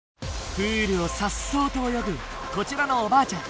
プールをさっそうと泳ぐこちらのおばあちゃん。